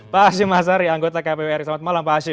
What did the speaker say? pak hashim hazari anggota kpu ri selamat malam pak hashim